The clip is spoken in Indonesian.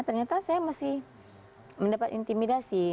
ternyata saya masih mendapat intimidasi